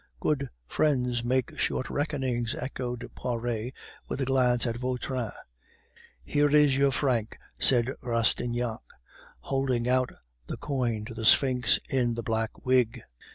"Good friends make short reckonings," echoed Poiret, with a glance at Vautrin. "Here is your franc," said Rastignac, holding out the coin to the sphinx in the black wig.